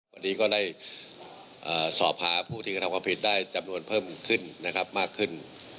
วันนี้ก็ได้สอบหาผู้ที่กระทำความผิดได้จำนวนเพิ่มขึ้นนะครับมากขึ้น